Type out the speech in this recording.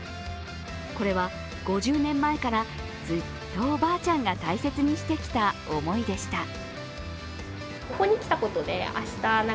これは、５０年前からずっとおばあちゃんが大切にしてきた思いでした。